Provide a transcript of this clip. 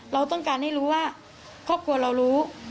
เราต้องการให้รู้ว่าครอบครัวเรารู้